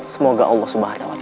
semoga allah swt akan menangani kita